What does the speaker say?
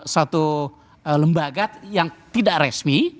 suatu lembaga yang tidak resmi